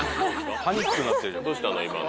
どうしたの今の。